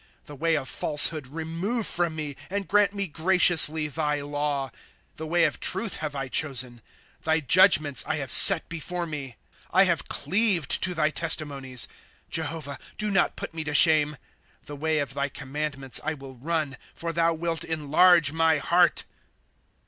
29 The way of falsehood remove from me, And grant me graciously thy law. 8» The way of truth have I chosen ; Thy judgments I have set [before me.] ./Google ^' I have cleaved to thy testimonies ; Jehovah, do not put me to shame. '^ The way of thy commandments I will run. ; For thou wilt enlarge my heart.